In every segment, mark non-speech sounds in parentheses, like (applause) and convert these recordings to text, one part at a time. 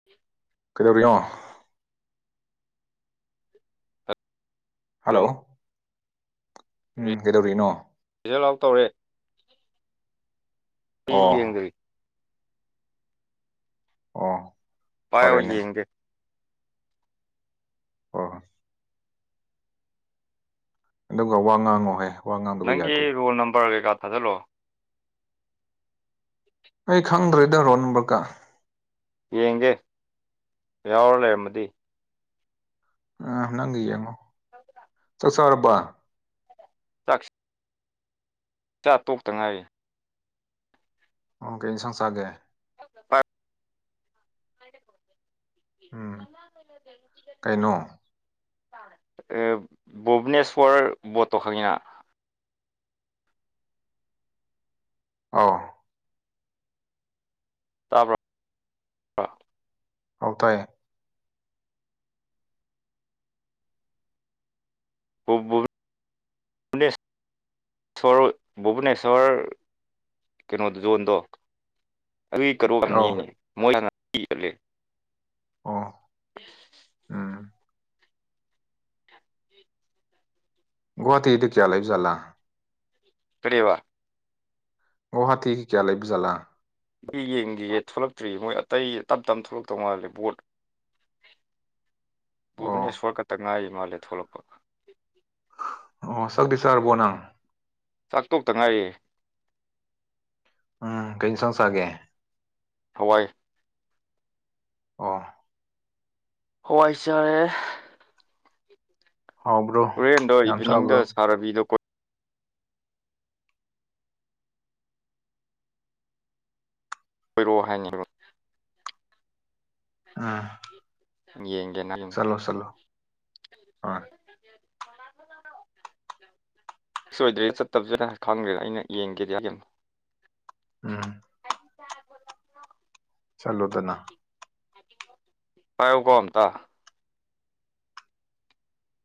(inaudible) ꯀꯩꯗꯧꯔꯤꯅꯣ ꯍꯜꯂꯣ ꯎꯝ ꯀꯩꯗꯧꯔꯤꯅꯣ ꯔꯤꯖꯜ ꯑꯥꯎꯠ ꯇꯧꯔꯦ ꯑꯩ ꯑꯣ ꯌꯦꯡꯗ꯭ꯔꯤ ꯑꯣ ꯄꯥꯏꯑꯣ ꯐꯔꯦꯅꯦ ꯌꯦꯡꯒꯦ ꯑꯣ ꯍꯣꯏ ꯑꯗꯨꯒ ꯋꯥ ꯉꯥꯡꯉꯨꯍꯦ ꯅꯪꯒꯤ ꯔꯣꯜ ꯅꯝꯕꯔ ꯀꯩꯀꯥ ꯊꯥꯖꯜꯂꯛꯑꯣ ꯑꯩ ꯈꯪꯗ꯭ꯔꯦꯗꯔ ꯔꯣꯜ ꯅꯝꯕꯔꯀꯥ ꯌꯦꯡꯒꯦ ꯌꯥꯎꯔ ꯂꯩꯔꯝꯃꯗꯤ ꯑ ꯅꯪꯒꯤ ꯌꯦꯡꯉꯣ ꯆꯥꯛ ꯆꯥꯔꯕ ꯆꯥꯛꯁ ꯆꯥ ꯇꯣꯛꯇ ꯉꯥꯏꯔꯤ ꯑꯣ ꯀꯩ ꯏꯁꯪ ꯆꯥꯒꯦ (unintelligible) ꯎꯝ ꯀꯩꯅꯣ (unintelligible) ꯑꯦꯞ ꯚꯨꯚꯅꯦꯁꯣꯔ ꯕꯣꯠꯇꯣ ꯈꯪꯉꯤꯅ ꯑꯥꯎ ꯇꯥꯕ꯭ꯔꯣ ꯑꯥꯎ ꯇꯥꯏꯌꯦ (unintelligible) ꯁꯣꯔ ꯚꯨꯚꯅꯦꯁꯣꯔ ꯀꯩꯅꯣ ꯖꯣꯟꯗꯣ ꯑꯗꯨꯒꯤ ꯀꯔꯣ ꯑꯥꯎ (inaudible) ꯑꯣ ꯎꯝ ꯒꯨꯍꯥꯇꯤꯗ ꯀꯌꯥ ꯂꯩꯕ ꯖꯥꯂꯥ ꯀꯔꯤꯕ ꯒꯨꯍꯥꯇꯤꯒꯤ ꯀꯌꯥ ꯂꯩꯕ ꯖꯥꯠꯂꯥ ꯏ ꯌꯦꯡꯗꯤꯌꯦ ꯊꯣꯛꯂꯛꯇ꯭ꯔꯤꯌꯦ ꯃꯣꯏ ꯑꯇꯩ ꯇꯞ ꯇꯞꯅ ꯊꯣꯛꯂꯛꯇꯧ ꯃꯥꯜꯂꯦ ꯕꯣꯠ ꯑꯣ ꯚꯨꯚꯅꯦꯁꯣꯔ ꯈꯛꯇ ꯉꯥꯏꯔꯤ ꯃꯥꯜꯂꯦ ꯊꯣꯛꯂꯛꯄ ꯑꯣ ꯁꯛꯗꯤ ꯁꯥꯥꯔꯔꯕꯣ ꯅꯪ ꯆꯥꯛ ꯇꯣꯛꯇ ꯉꯥꯏꯔꯤꯑꯦ ꯎꯝ ꯀꯩꯩ ꯏꯟꯁꯥꯡ ꯆꯥꯒꯦ ꯍꯋꯥꯏ ꯑꯣ ꯍꯋꯥꯏ ꯆꯔꯦ ꯍꯥꯎꯕ꯭ꯔꯣ ꯍꯨꯔꯦꯟꯗꯣ ꯌꯥꯝ ꯏꯚꯤꯅꯤꯡꯗ ꯆꯥꯕ꯭ꯔꯣ ꯁꯥꯔ ꯑꯕꯤꯗꯣ ꯀꯣ ꯀꯣꯏꯔꯛꯑꯣ ꯍꯥꯏꯅꯦ ꯑꯈꯣꯏꯕ꯭ꯔꯣ ꯎꯝ ꯌꯦꯡꯒꯦꯅ ꯍꯥꯏꯒꯤꯝ ꯆꯠꯂꯣ ꯆꯠꯂꯣ ꯍꯣꯏ ꯁꯣꯏꯗ꯭ꯔꯦ ꯆꯠꯇꯕꯁꯨꯅ ꯈꯪꯗ꯭ꯔꯦꯗ ꯑꯩꯅ ꯌꯦꯡꯒꯦꯗꯤ ꯍꯥꯏꯒꯤꯝ ꯎꯝ ꯆꯠꯂꯨꯗꯅ ꯄꯥꯏꯌꯨꯀꯣ ꯑꯝꯇ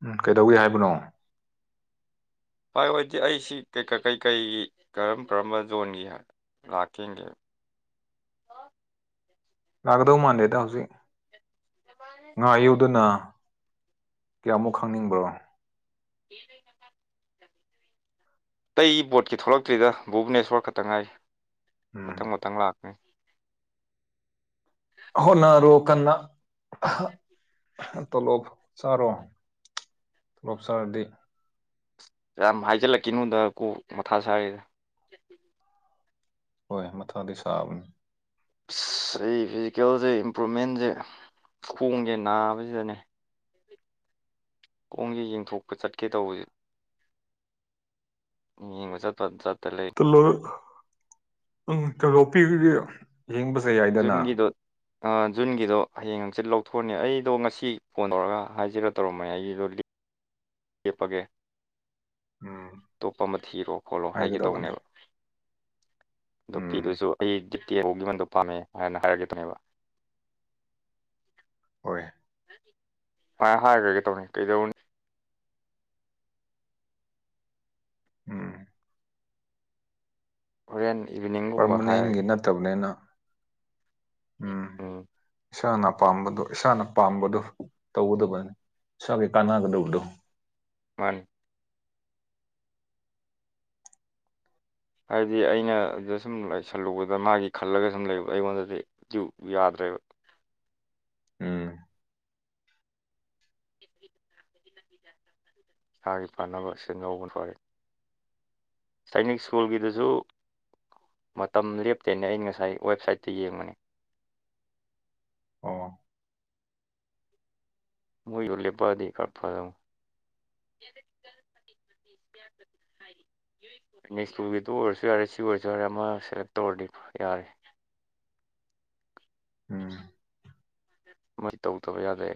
ꯎꯝ ꯀꯩꯗꯧꯏ ꯍꯥꯏꯕꯅꯣ ꯄꯥꯏꯋꯥꯏꯇꯤ ꯑꯩꯁꯤ ꯀꯩꯀꯩ ꯀꯩꯀꯩꯒꯤ ꯀꯔꯝ ꯀꯔꯝꯕ ꯖꯣꯟꯒꯤ ꯂꯥꯛꯀꯦ ꯌꯦꯡꯒꯦ ꯂꯥꯛꯀꯗꯧ ꯃꯥꯟꯗꯦꯗ ꯍꯧꯖꯤꯛ ꯉꯥꯏꯌꯨꯗꯨꯅ ꯀꯌꯥꯃꯨꯛ ꯈꯪꯅꯤꯡꯕ꯭ꯔꯣ (unintelligible) ꯑꯇꯩ ꯕꯣꯠꯀꯤ ꯊꯣꯛꯂꯛꯇ꯭ꯔꯤꯗ ꯚꯨꯚꯅꯦꯁꯣꯔ ꯈꯛꯇꯪ ꯉꯥꯏꯔꯤ ꯎꯝ ꯃꯊꯪ ꯃꯊꯪ ꯂꯥꯛ ꯍꯣꯠꯅꯔꯣ ꯀꯟꯅ ꯇꯣꯂꯣꯞ ꯆꯥꯔꯣ ꯇꯣꯂꯣꯞ ꯆꯥꯔꯗꯤ ꯌꯥꯝ ꯍꯥꯏꯖꯜꯂꯛꯀꯤꯅꯣꯗ ꯀꯣꯛ ꯃꯊꯥ ꯁꯥꯔꯤꯗ ꯍꯣꯏ ꯃꯊꯥꯗꯤ ꯁꯥꯕꯅꯤ ꯁ ꯑꯩ ꯐꯤꯖꯤꯀꯦꯜꯁꯦ ꯏꯝꯄ꯭ꯔꯨꯨꯞꯃꯦꯟꯁꯦ ꯈꯣꯡꯒꯦ ꯅꯥꯕꯁꯤꯗꯅꯦ ꯀꯣꯡꯁꯦ ꯌꯦꯡꯊꯣꯛꯄ ꯆꯠꯀꯦ ꯇꯧꯕꯁ ꯌꯦꯡꯕ ꯆꯠꯇ ꯆꯠꯇ ꯂꯩ ꯍꯜꯂꯣ ꯎꯝ ꯇꯣꯂꯣꯞꯄꯤꯕꯒꯤ ꯌꯦꯡꯕꯁꯨꯍꯥꯏ ꯖꯨꯟꯒꯤꯗꯣ ꯑ ꯖꯨꯟꯒꯤꯗꯣ ꯍꯌꯦꯡ ꯍꯪꯆꯤꯠ ꯂꯧꯊꯣꯛꯑꯅꯤ ꯑꯩꯗꯣ ꯉꯁꯤ ꯐꯣꯟ ꯇꯧꯔꯒ ꯍꯥꯏꯖꯤꯔ ꯇꯧꯔꯝꯃꯅꯦ ꯑꯩꯒꯤꯗꯣ ꯂ ꯂꯦꯞꯄꯒꯦ ꯎꯝ ꯑꯇꯣꯞꯄ ꯑꯃ ꯊꯤꯔꯣ ꯈꯣꯠꯂꯣ ꯍꯥꯏꯒꯦ ꯍꯥꯏꯒꯗꯕꯅꯦ ꯇꯧꯅꯦꯕ ꯑꯗꯣ ꯎꯝ ꯄꯤꯕꯁꯨ ꯑꯩ ꯖꯤꯇꯤ ꯐꯥꯎꯒꯤ ꯃꯟꯗꯣ ꯄꯥꯝꯃꯦ ꯍꯥꯏꯅ ꯍꯥꯏꯔꯒꯈꯤꯕꯅꯦꯕ ꯑꯣꯏ ꯁꯨꯃꯥꯏ ꯍꯥꯏꯈ꯭ꯔꯒꯦ ꯇꯧꯅꯤ ꯀꯩꯗꯧꯅꯤ ꯎꯝ ꯍꯣꯔꯦꯟ ꯏꯚꯤꯅꯤꯡ ꯄꯔꯃꯅꯦꯟꯒꯤ ꯅꯠꯇꯕꯅꯤꯅ ꯎꯝ ꯑꯝ ꯏꯁꯥꯅ ꯑꯄꯥꯥꯝꯕꯗꯣ ꯏꯁꯥꯅ ꯄꯥꯝꯕꯗꯣ ꯇꯧꯒꯗꯕꯅꯤ ꯏꯁꯥꯒꯤ ꯀꯥꯟꯅꯒꯗꯕꯗꯣ ꯃꯥꯅꯤ ꯍꯥꯏꯗꯤ ꯑꯩꯅ ꯑꯗꯨꯗ ꯁꯨꯝ ꯂꯩꯁꯜꯂꯨꯕꯗ ꯃꯥꯒꯤ ꯈꯜꯂꯒ ꯁꯨꯝ ꯂꯩꯕ ꯑꯩꯉꯣꯟꯗꯗꯤ ꯀ꯭ꯌꯨꯨ ꯌꯥꯗ꯭ꯔꯦꯕ ꯎꯝ ꯏꯁꯥꯒꯤ ꯐꯥꯅꯕ ꯑꯁꯤꯅꯧꯕꯅ ꯐꯔꯦ ꯁꯥꯏꯅꯤꯛ ꯁ꯭ꯀꯨꯜꯒꯤꯗꯁꯨ ꯃꯇꯝ ꯂꯦꯞꯇꯦꯅꯦ ꯑꯩꯅ ꯉꯁꯥꯏ ꯋꯦꯕꯁꯥꯏꯠꯇ ꯌꯦꯡꯕꯅꯦ ꯑꯣ ꯃꯣꯏꯒꯤꯗꯣ ꯂꯦꯞꯄꯗꯤ ꯈꯔ ꯐꯗꯧ (inaudible) ꯅꯦꯛꯁ ꯇꯨꯒꯤꯇꯨ ꯑꯣꯏꯔꯁꯨ ꯌꯥꯔꯦ ꯁꯤ ꯑꯣꯏꯔꯁꯨ ꯌꯥꯔꯦ ꯑꯃ ꯁꯦꯂꯦꯛ ꯇꯧꯔꯗꯤ ꯌꯥꯔꯦ ꯎꯝ ꯑꯃꯗꯤ ꯇꯧꯗꯕ ꯌꯥꯗꯦ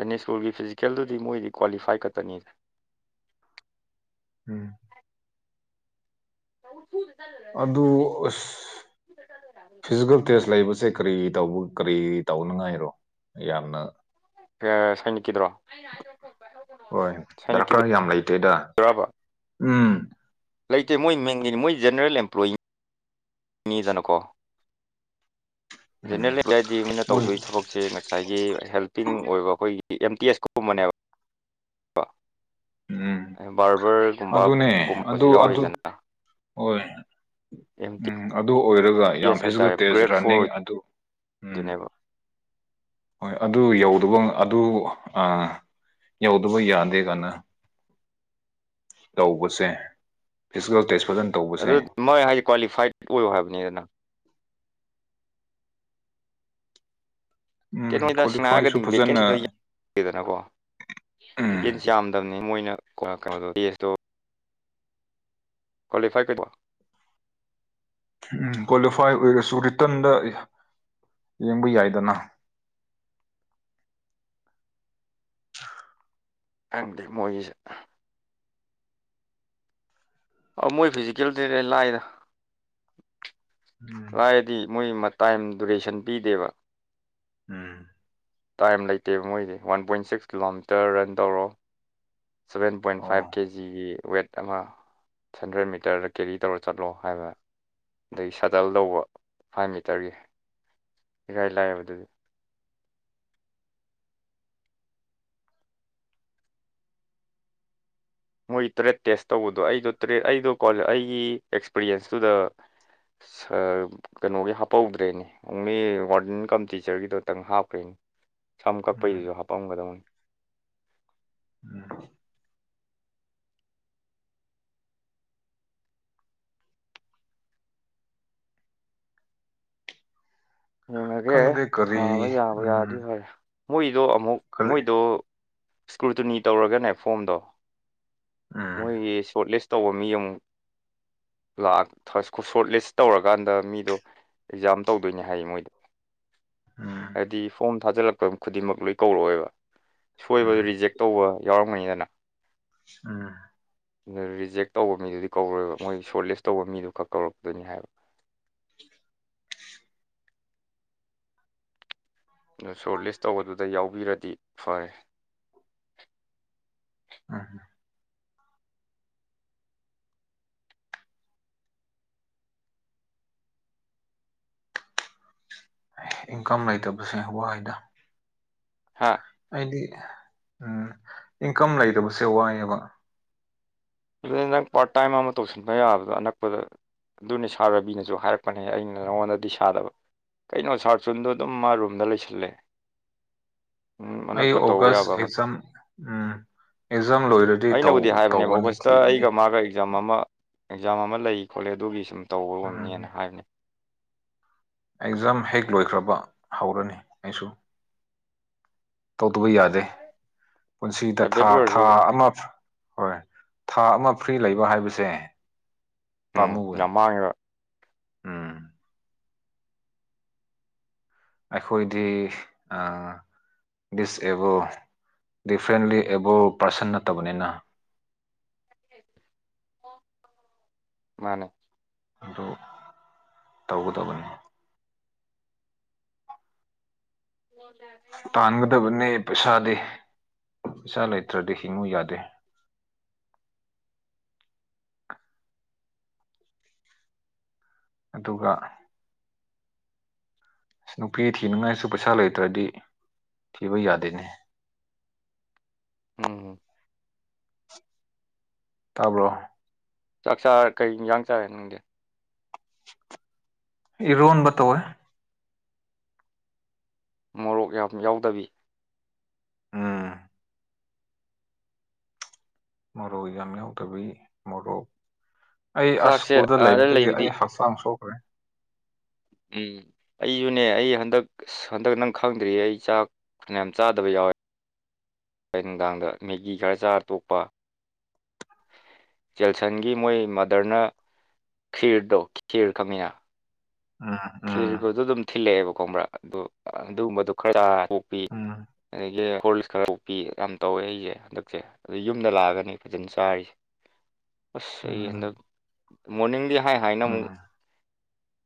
ꯇꯅꯤ ꯁ꯭ꯀꯨꯜꯒꯤ ꯐꯤꯖꯤꯀꯦꯜꯗꯨꯗꯤ ꯃꯣꯏꯗꯤ ꯀ꯭ꯋꯥꯂꯤꯐꯥꯏ ꯈꯛꯇꯅꯤꯗ ꯎꯝ (inaudible) ꯑꯗꯨ ꯑꯁ ꯐꯤꯖꯤꯀꯦꯜ ꯇꯦꯁ ꯂꯩꯕꯁꯦ ꯀꯔꯤ ꯇꯧꯕ ꯀꯔꯤ ꯇꯧꯅꯉꯥꯏꯔꯣ ꯌꯥꯝꯅ ꯁꯥꯏꯅꯤꯛꯀꯤꯗꯨꯔꯣ ꯍꯣꯏ ꯗꯔꯀꯥꯔ ꯌꯥꯝ ꯂꯩꯇꯦꯗ ꯎꯝ ꯂꯩꯇꯦ ꯃꯣꯏ ꯃꯤꯡꯒꯤꯅꯤ ꯃꯣꯏ ꯖꯦꯅꯔꯦꯜ ꯑꯦꯝꯄ꯭ꯂꯣꯏꯒꯤꯅꯤ ꯃꯤꯅꯤꯗꯅꯀꯣ ꯎꯝ ꯖꯦꯅꯔꯦꯜ ꯍꯥꯏꯗꯤ ꯃꯣꯏꯅ ꯃꯣꯏ ꯇꯧꯗꯣꯏ ꯊꯕꯛ ꯁꯤ ꯉꯁꯥꯏꯒꯤ ꯍꯦꯜꯄꯤꯡ ꯑꯣꯏꯕ ꯑꯩꯈꯣꯏꯒꯤ ꯑꯦꯝ ꯇꯤ ꯑꯦꯁꯀꯨꯝꯕꯅꯦꯕ ꯎꯝ ꯕꯥꯔꯕꯔ ꯑꯗꯨꯅꯦ ꯑꯗꯨ ꯑꯗꯨ ꯍꯣꯏ ꯑꯦꯝ ꯇꯤ ꯎꯝ ꯑꯗꯨ ꯑꯣꯏꯔꯒ ꯌꯥꯝ ꯑꯦꯁ ꯐꯤꯖꯀꯜ ꯍꯥꯏꯇꯥꯔꯦ ꯇꯦꯖ ꯒ꯭ꯔꯦꯗ ꯔꯟꯅꯤꯡ ꯐꯣꯔ ꯑꯗꯨ ꯎꯝ ꯑꯣꯏꯗꯣꯏꯅꯦꯕ ꯍꯣꯏ ꯑꯗꯨ ꯌꯧꯗꯕ ꯑꯗꯨ ꯑ ꯌꯧꯗꯕ ꯌꯥꯗꯦ ꯀꯥꯏꯅ ꯇꯧꯕꯁꯦ ꯐꯤꯖꯤꯀꯦꯜ ꯇꯦꯁ ꯐꯖꯅ ꯇꯧꯕꯁꯦ ꯑꯗꯨ ꯃꯣꯏ ꯍꯥꯏꯗꯤ ꯀ꯭ꯋꯥꯂꯤꯐꯥꯏꯠ ꯑꯣꯏꯌꯣ ꯍꯥꯏꯕꯅꯤꯗꯅ ꯎꯝ ꯀꯩꯅꯣꯗ ꯁꯦꯡꯅ ꯀ꯭ꯋꯥꯂꯤꯐꯥꯏꯁꯨ ꯍꯥꯏꯔꯒꯗꯤ ꯐꯖꯅ ꯚꯦꯀꯦꯟꯁꯤꯗꯣ ꯌꯥꯗꯦꯗꯅꯀꯣ ꯎꯝ ꯌꯥꯝꯗꯝꯅꯤ ꯃꯣꯏꯅ ꯀꯩꯅꯣ ꯗꯦꯁꯇꯣ ꯀ꯭ꯋꯥꯂꯤꯐꯥꯏ ꯀ ꯀ꯭ꯋꯥꯂꯤꯐꯥꯏ ꯑꯣꯏꯔꯁꯨ ꯔꯤꯇꯟꯗ ꯌꯦꯡꯕ ꯌꯥꯏꯗꯅ ꯈꯪꯗꯦ ꯃꯣꯏꯒꯤꯁꯦ ꯑ ꯃꯣꯏ ꯐꯤꯖꯤꯀꯦꯜꯗꯤꯅꯦ ꯂꯥꯏꯗ ꯎꯝ ꯂꯥꯏꯑꯦꯗꯤ ꯃꯣꯏ ꯃꯇꯥꯏ ꯗꯨꯔꯦꯁꯟ ꯄꯤꯗꯦꯕ ꯎꯝ ꯇꯥꯏꯝ ꯂꯩꯇꯦꯕ ꯃꯣꯏꯗꯤ one point six kilometre run ꯇꯧꯔꯣ ꯁꯚꯦꯟ ꯄꯣꯏꯟ ꯐꯥꯏꯚ ꯑꯣ ꯀꯦꯖꯤꯒꯤ ꯋꯦꯠ ꯑꯃ ꯍꯟꯗ꯭ꯔꯦꯠ ꯃꯤꯇꯔꯗ ꯀꯦꯔꯤ ꯇꯧꯔ ꯆꯠꯂꯣ ꯍꯥꯏꯕ ꯑꯗꯒꯤ ꯁꯠ ꯇꯜ ꯂꯧꯕ ꯐꯥꯏꯚ ꯃꯤꯇꯔꯒꯤ ꯏꯔꯥꯏ ꯂꯥꯏꯕ ꯑꯗꯨꯗꯤ ꯃꯣꯏ ꯇꯔꯦꯠ ꯇꯦꯁ ꯇꯧꯕꯗꯣ ꯑꯩꯗꯣ ꯇꯔꯦꯠ ꯑꯩꯗꯣ ꯀ꯭ꯋꯥꯜ ꯑꯩꯒꯤ ꯑꯦꯛꯁꯄꯤꯔ꯭ꯌꯦꯟꯁꯇꯨꯗ (unintelligible) ꯀꯩꯅꯣꯒꯤ ꯍꯥꯞꯄꯧꯗ꯭ꯔꯦꯅꯦ ꯑꯣꯡꯂꯤ ꯋꯥꯔꯗꯟ ꯀꯝ ꯇꯤꯆꯔꯒꯤꯗꯣꯇꯪ ꯍꯥꯞꯈ꯭ꯔꯦ ꯁꯝ ꯎꯝ ꯀꯛꯄꯩꯗꯨꯁꯨ ꯍꯥꯄꯝꯒꯗꯕꯅꯤ (inaudible) ꯌꯦꯡꯉꯒꯦ ꯈꯪꯗꯦ ꯊꯥꯕ ꯀꯔꯤ ꯌꯥꯕꯨ ꯌꯥꯔꯗꯤ ꯎꯝ ꯍꯣꯏ ꯃꯣꯏꯗꯣ ꯑꯃꯨꯛ ꯀꯔꯤ ꯃꯣꯏꯗꯣ ꯏꯁꯀ꯭ꯔꯨꯇꯨꯅꯤ ꯇꯧꯔꯒꯅꯦ ꯐꯣꯝꯗꯣ ꯎꯝ ꯃꯣꯏꯒꯤ ꯁꯣꯔꯠ ꯂꯤꯁ ꯇꯧꯕ ꯃꯤ ꯑꯃꯨꯛ ꯁꯣꯔꯠ ꯂꯤꯁ ꯇꯧꯔꯀꯥꯟꯗ ꯃꯤꯗꯣ ꯑꯦꯛꯖꯥꯝ ꯇꯧꯗꯣꯏꯅꯦ ꯍꯥꯏ ꯃꯣꯏꯗ ꯎꯝ ꯍꯥꯏꯕꯗꯤ ꯐꯣꯝ ꯊꯥꯖꯤꯜꯂꯛꯄ ꯈꯨꯗꯤꯡꯃꯛ ꯂꯣꯏ ꯀꯧꯔꯛꯑꯣꯏꯕ ꯁꯣꯏꯕꯗꯨ ꯎꯝ ꯔꯤꯖꯦꯛ ꯇꯧꯕ ꯌꯥꯎꯔꯝꯒꯅꯤꯗꯅ ꯎꯝ ꯑꯗꯨ ꯔꯤꯖꯦꯛ ꯇꯧꯕ ꯃꯤꯗꯨꯗꯤ ꯀꯧꯔꯣꯏꯕ ꯃꯣꯏ ꯁꯣꯔꯠ ꯂꯤꯁ ꯇꯧꯕ ꯃꯤꯗꯨꯈꯛ ꯀꯧꯔꯛꯇꯣꯏꯅꯤ ꯍꯥꯏꯕ (inaudible) ꯑꯗꯨ ꯁꯣꯔꯠ ꯂꯤꯁ ꯇꯧꯕꯗꯨꯗ ꯌꯥꯎꯕꯤꯔꯗꯤ ꯐꯔꯦ ꯎꯝ ꯏꯟꯀꯝ ꯂꯩꯇꯕꯁꯦ ꯋꯥꯏꯗ ꯍꯥꯥ ꯍꯥꯏꯗꯤ ꯏꯟꯀꯝ ꯂꯩꯇꯕꯁꯦ ꯋꯥꯏꯑꯦꯕ ꯅꯪ ꯄꯥꯔꯠ ꯇꯥꯏꯝ ꯑꯃ ꯇꯧꯁꯤꯟꯕ ꯌꯥꯕꯗꯣ ꯑꯅꯛꯄꯗ ꯑꯗꯨꯅꯦ ꯁꯥꯥꯔ ꯔꯕꯤꯅꯁꯨ ꯍꯥꯏꯔꯛꯄ ꯄꯅꯦ ꯑꯩꯅ ꯅꯉꯣꯟꯗꯗꯤ ꯁꯥꯗꯕ ꯀꯩꯅꯣ ꯁꯥꯔꯆꯨꯟꯗꯣ ꯑꯗꯨꯝ ꯃꯥ ꯔꯨꯝꯗ ꯂꯩꯁꯜꯂꯦ ꯎꯝ ꯑꯩ ꯑꯅꯛꯄ ꯇꯧꯕ ꯑꯣꯒꯁ ꯌꯥꯕ ꯑꯃ ꯑꯦꯛꯖꯥꯝ ꯑꯦꯛꯖꯥꯝ ꯂꯣꯏꯔꯗꯤ ꯇꯧꯒꯅꯤ ꯑ ꯊꯤꯒꯅꯤ ꯑꯩꯒ ꯃꯥꯒ ꯑꯦꯛꯖꯥꯝ ꯑꯃ ꯑꯦꯛꯖꯥꯝ ꯑꯃ ꯂꯩ ꯈꯣꯠꯂꯦ ꯑꯗꯨꯒꯤ ꯁꯨꯝ ꯎꯝ ꯇꯧꯕꯔꯝꯅꯦꯅ ꯍꯥꯏꯕꯅꯦ ꯑꯦꯛꯖꯥꯝ ꯍꯦꯛ ꯂꯣꯏꯈ꯭ꯔꯕ ꯍꯧꯔꯅꯤ ꯑꯩꯁꯨ ꯇꯧꯗꯕ ꯌꯥꯗꯦ ꯄꯨꯟꯁꯤꯗ ꯄ꯭ꯔꯥꯏꯚꯦꯠ ꯊꯥ ꯊꯥ ꯑꯣꯏꯔꯁꯨ ꯑꯃ ꯍꯣꯏ ꯊꯥ ꯑꯃ ꯐ꯭ꯔꯤ ꯂꯩꯕ ꯍꯥꯏꯕꯁꯦ ꯎꯝ ꯄꯥꯝꯃꯨꯏ ꯌꯥꯝ ꯃꯥꯡꯉꯤꯕ ꯎꯝ ꯑꯩꯈꯣꯏꯗꯤ ꯑ ꯗꯤꯁꯑꯦꯕꯜ ꯗꯤꯐ꯭ꯔꯦꯟꯂꯤ ꯑꯦꯕꯜ ꯄꯥꯔꯁꯟ ꯅꯠꯇꯕꯅꯤꯅ ꯃꯥꯅꯦ ꯑꯗꯨ ꯇꯧꯒꯗꯕꯅꯤ (unintelligible) ꯇꯥꯟꯒꯗꯕꯅꯦ ꯄꯩꯁꯥꯗꯤ ꯄꯩꯁꯥ ꯂꯩꯇ꯭ꯔꯗꯤ ꯍꯤꯡꯉꯨ ꯌꯥꯗꯦ ꯑꯗꯨꯒ ꯑꯁ ꯅꯨꯄꯤ ꯊꯤꯅꯤꯡꯉꯥꯏꯁꯨ ꯄꯩꯁꯥ ꯂꯩꯇ꯭ꯔꯗꯤ ꯊꯤꯕ ꯌꯥꯗꯦꯅꯦ ꯎꯝ ꯇꯥꯕ꯭ꯔꯣ ꯆꯥꯛ ꯆꯥꯔ ꯀꯩ ꯌꯥꯡ ꯆꯥꯔꯦ ꯅꯪꯗꯤ ꯏꯔꯣꯟꯕ ꯇꯧꯋꯦ ꯃꯣꯔꯣꯛ ꯌꯥꯝ ꯌꯥꯎꯗꯕꯤ ꯎꯝ ꯃꯣꯔꯣꯛ ꯌꯥꯝ ꯌꯥꯎꯗꯕꯤ ꯃꯣꯔꯣꯛ ꯑꯩ ꯆꯥꯛꯁꯦ ꯑꯁꯀꯨꯗ ꯑꯥꯗ ꯂꯩꯕꯗꯒꯤ ꯂꯩꯕꯗꯤ ꯑꯩ ꯍꯛꯆꯥꯡ ꯁꯣꯛꯈ꯭ꯔꯦ ꯎꯝ ꯑꯩꯁꯨꯅꯦ ꯑꯩ ꯍꯟꯗꯛ ꯑ ꯍꯟꯗꯛ ꯅꯪ ꯈꯪꯗ꯭ꯔꯤꯌꯦ ꯑꯩ ꯆꯥꯛ ꯐꯅꯌꯥꯝ ꯆꯥꯗꯕ ꯌꯥꯎꯋꯦ ꯑꯩ ꯅꯨꯡꯗꯥꯡꯗ ꯃꯦꯒꯤ ꯈꯔ ꯆꯥꯔ ꯇꯣꯛꯄ ꯖꯦꯜꯁꯟꯒꯤ ꯃꯣꯏ ꯃꯥꯗꯔꯅ ꯈꯤꯔꯗꯣ ꯈꯦꯔ ꯈꯪꯉꯤꯅ ꯑ ꯈꯤꯔꯒꯗꯣ ꯑꯗꯨꯝ ꯊꯤꯜꯂꯛꯑꯦꯕꯀꯣꯕ꯭ꯔꯥ ꯑꯗ ꯑꯗꯨꯒꯨꯝꯕꯗꯣ ꯈꯔ ꯆꯔ ꯇꯣꯛꯄꯤ ꯎꯝ ꯑꯗꯒꯤ ꯍꯣꯔꯜꯁ ꯈꯔꯕꯨ (unintelligible) ꯄꯤ ꯌꯥꯝ ꯇꯧꯋꯦ ꯑꯩꯁꯦ ꯍꯟꯗꯛꯁꯦ ꯑꯗꯨꯗ ꯌꯨꯝꯗ ꯂꯥꯛꯑꯒꯅꯤ ꯐꯖꯅ ꯆꯥꯔꯤꯁꯦ (inaudible) ꯑꯁ ꯑꯩ ꯎꯝ ꯍꯟꯗꯛ ꯃꯣꯔꯅꯤꯡꯗꯤ ꯍꯥꯏ ꯍꯥꯏꯅ ꯑꯃꯨꯛ ꯎꯝ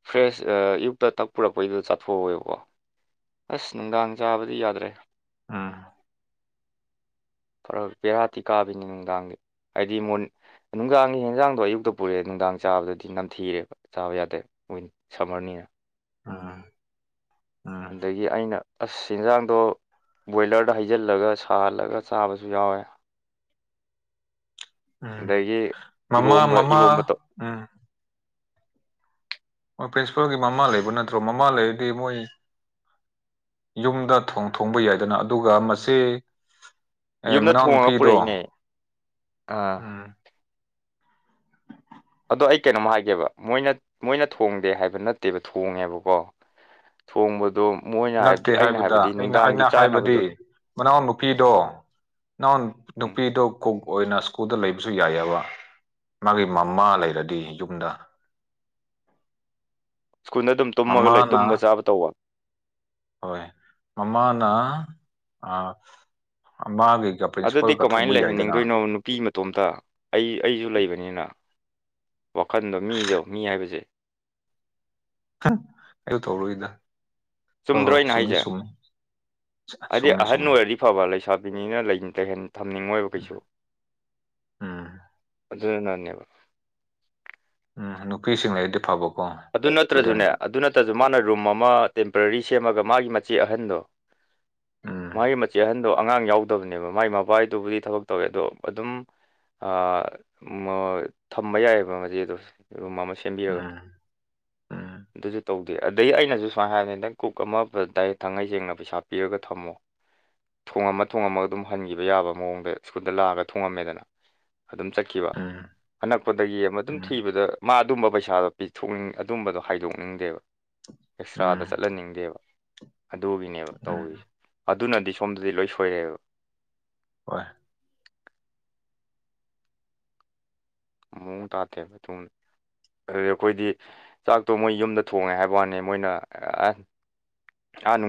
ꯐ꯭ꯔꯦꯁ ꯑꯌꯨꯛꯇ ꯇꯛ ꯄꯨꯔꯛꯄꯩꯗꯨꯗ ꯆꯥꯊꯣꯛꯋꯦꯕꯀꯣ ꯑꯁ ꯅꯨꯡꯗꯥꯡ ꯆꯥꯕꯗꯤ ꯌꯥꯗ꯭ꯔꯦ ꯎꯝ ꯐꯔ ꯕꯦꯔꯥ ꯇꯤ ꯀꯥꯕꯤꯅꯤ ꯅꯨꯡꯗꯥꯡꯒꯤ ꯍꯥꯏꯗꯤ ꯃꯨꯟ ꯅꯨꯡꯗꯥꯡꯒꯤ ꯍꯦꯟꯖꯥꯡꯗꯣ ꯑꯌꯨꯛꯇ ꯄꯨꯔꯛꯑꯦ ꯅꯨꯡꯗꯥꯡ ꯆꯥꯕꯗꯗꯤ ꯅꯝꯊꯤꯔꯦꯕ ꯆꯥꯕ ꯌꯥꯗꯦ ꯑꯣꯏꯅꯤ ꯁꯝꯃꯔꯅꯤꯅ ꯑ ꯑꯗꯒꯤ ꯑꯩꯅ ꯑꯁ ꯍꯤꯟꯖꯥꯡꯗꯣ ꯕꯣꯏꯂꯔꯗ ꯍꯩꯖꯤꯜꯂꯒ ꯁꯥꯍꯜꯂꯒ ꯆꯥꯕꯁꯨ ꯌꯥꯎꯋꯦ ꯎꯝ ꯑꯗꯒꯤ ꯃꯥꯃ ꯏꯔꯣꯝꯕ ꯃꯥꯃ ꯏꯔꯣꯝꯕꯇꯣ ꯎꯝ (unintelligible) ꯄ꯭ꯔꯤꯟꯁꯤꯄꯥꯜꯒꯤ ꯃꯃꯥ ꯂꯩꯕ ꯅꯠꯇ꯭ꯔꯣ ꯃꯃꯥ ꯂꯩꯔꯗꯤ ꯃꯣꯏ ꯌꯨꯝꯗ ꯊꯣꯡ ꯊꯣꯡꯕ ꯌꯥꯏꯗꯅ ꯑꯗꯨꯒ ꯃꯆꯦ ꯑꯦ ꯌꯨꯝꯗ ꯃꯅꯥꯎ ꯊꯣꯡꯉꯒ ꯅꯨꯨꯄꯤꯗꯣ ꯄꯨꯔꯛꯏꯅꯦ ꯑꯥ ꯎꯝ ꯑꯗꯣ ꯑꯩ ꯀꯩꯅꯣꯝ ꯍꯥꯏꯒꯦꯕ ꯃꯣꯏꯅ ꯃꯣꯏꯅ ꯊꯣꯡꯗꯦ ꯍꯥꯏꯕ ꯅꯠꯇꯦꯕ ꯊꯣꯡꯉꯦꯕꯀꯣ ꯊꯣꯡꯕꯗꯣ ꯃꯣꯏꯅ ꯍꯥꯏꯕꯗꯤ ꯅꯠꯇꯦ ꯑꯩꯅ ꯍꯥꯏꯕꯗ ꯍꯥꯏꯕꯗꯤ ꯑꯩꯅ ꯅꯨꯡꯗꯥꯡꯒꯤ ꯑꯩꯅ ꯍꯥꯏꯕꯗꯤ ꯆꯥꯅꯕꯗꯣ ꯃꯅꯥꯎ ꯅꯨꯨꯄꯤꯗꯣ ꯏꯅꯥꯎ ꯎꯝ ꯅꯨꯄꯤꯗꯣ ꯀꯣꯛ ꯑꯣꯏꯅ ꯁ꯭ꯀꯨꯜꯗ ꯂꯩꯕꯁꯨ ꯌꯥꯏꯑꯦꯕ ꯃꯥꯒꯤ ꯃꯃꯥ ꯂꯩꯔꯗꯤ ꯌꯨꯝꯗ ꯁ꯭ꯀꯨꯟꯅ ꯗꯨꯝ ꯃꯃꯥꯅ ꯍꯣꯏ ꯃꯃꯥꯅ ꯑ ꯃꯥꯒꯤ ꯒꯞ ꯑꯗꯨꯗꯤ ꯀꯃꯥꯏꯅ ꯂꯩꯍꯟꯅꯤꯡꯗꯣꯏꯅꯣ ꯅꯨꯄꯤ ꯃ ꯇꯣꯝꯇ ꯑꯩ ꯑꯩꯁꯨ ꯂꯩꯕꯅꯤꯅ ꯋꯥꯈꯟꯗꯣ ꯃꯤꯖꯧ ꯃꯤ ꯍꯥꯏꯕꯁꯦ꯫ (unintelligible) ꯑꯌꯨ ꯊꫭꯛꯔꫭꯏꯗ꯫ ꯍꯣꯏ ꯆꯨꯝꯗ꯭ꯔꯣ ꯍꯣꯏ ꯑꯩꯅ ꯁꯨꯝꯗꯤ ꯍꯥꯏꯁꯦ ꯁꯨꯝ (inaudible) ꯍꯥꯏꯗꯤ ꯑꯍꯟ ꯑꯣꯏꯔꯗꯤ ꯐꯕ ꯂꯩꯁꯥꯕꯤꯅꯤꯅ ꯂꯩ ꯇꯩꯍꯟ ꯊꯝꯅꯤꯡꯉꯣꯏꯕ ꯀꯩꯁꯨ꯫ ꯎꯝ ꯎꯝ ꯑꯗꯨꯅꯅꯦꯕ꯫ ꯎꯝ ꯅꯨꯄꯤꯁꯤꯡ ꯂꯩꯔꯗꯤ ꯐꯥꯕꯣꯛ ꯑꯗꯨ ꯅꯠꯇ꯭ꯔꯁꯨꯅꯦ ꯑꯗꯨ ꯅꯠꯇ꯭ꯔꯁꯨ ꯃꯥꯅ ꯔꯨꯝ ꯑꯃ ꯇꯦꯝꯄꯔꯔꯤ ꯁꯦꯝꯃꯒ ꯃꯥꯒꯤ ꯃꯆꯦ ꯑꯍꯟꯗꯣ꯫ ꯎꯝ ꯃꯥꯒꯤ ꯃꯆꯦ ꯑꯍꯟꯗꯣ ꯑꯉꯥꯡ ꯌꯥꯎꯗꯕꯅꯦꯕ ꯃꯥꯒꯤ ꯃꯕꯥꯏꯗꯨꯕꯨꯗꯤ ꯊꯕꯛ ꯇꯧꯋꯦ ꯑꯗꯣ ꯑꯗꯨꯝ ꯑꯥ ꯃꫭꯏ ꯊꯝꯕ ꯌꯥꯏꯑꯕ ꯃꯆꯦꯗꯨꯁꯨ ꯃꯥ ꯃ ꯎꯝ ꯎꯝ ꯑꯗꯨꯁꯨ ꯇꯧꯗꯦ ꯑꯗꯩ ꯑꯩꯅꯁꯨ ꯁꯨꯃꯥꯏ ꯍꯥꯏꯕꯅꯤ ꯅꯪ ꯀꯨꯛ ꯑꯃ ꯗꯥꯏꯔꯦꯛ ꯊꯥꯡꯍꯩ ꯁꯦꯡꯅ ꯄꯩꯁꯥ ꯄꯤꯔꯒ ꯊꯝꯃꯣ꯫ ꯊꯣꯡꯉꯝꯃ ꯊꯣꯡꯉꯝꯃꯒ ꯑꯗꯨꯝ ꯍꯟꯈꯤꯕ ꯌꯥꯕ ꯃꯑꯣꯡꯗ ꯁ꯭ꯀꯨꯜꯗ ꯂꯥꯛꯑꯒ ꯊꯣꯡꯉꯝꯃꯦꯗꯅ꯫ ꯑꯗꯨꯝ ꯆꯠꯈꯤꯕ ꯎꯝ ꯑꯅꯛꯄꯗꯒꯤ ꯑꯃ ꯑꯗꯨꯝ ꯎꯝ ꯊꯤꯕꯗ ꯃꯥ ꯑꯗꯨꯝꯕ ꯄꯩꯁꯥꯗꯣ ꯄꯤꯊꯣꯛꯅꯤꯡ ꯑꯗꯨꯝꯕꯗꯣ ꯍꯥꯏꯗꯣꯛꯅꯤꯡꯗꯦꯕ ꯑꯦꯛꯁꯇ꯭ꯔꯥꯗ ꯎꯝ ꯆꯠꯍꯟꯅꯤꯡꯗꯦꯕ꯫ ꯑꯗꯨꯒꯤꯅꯦꯕ ꯎꯝ ꯇꯧꯔꯤꯁꯦ ꯑꯗꯨꯅꯗꯤ ꯁꯣꯝꯗꯗꯤ ꯂꯣꯏ ꯁꯣꯏꯔꯦꯕ꯫ ꯍꯣꯏ꯫ ꯃꯑꯣꯡ ꯇꯥꯗꯦꯕ ꯇꯨꯡ ꯑꯗꯨꯗꯤ ꯑꯈꯣꯏꯗꯤ ꯆꯥꯛꯇꯣ ꯃꯣꯏ ꯌꯨꯝꯗ ꯊꯣꯡꯉꯦ ꯍꯥꯏꯕ ꯋꯥꯅꯤ ꯃꯣꯏꯅ ꯑ ꯑꯥ ꯅꯨꯡ